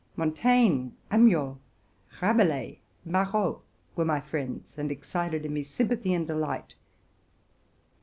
Montaigne, Amyot, Rabelais, ~"Marot, were my friends, and excited in me sympathy and delight.